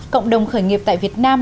cộng đồng khởi nghiệp tại việt nam